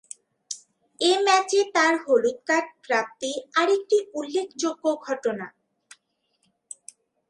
এ ম্যাচে তার হলুদ কার্ড প্রাপ্তি আরেকটি উল্লেখযোগ্য ঘটনা